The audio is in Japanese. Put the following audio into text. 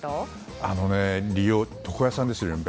昔の床屋さんですよね。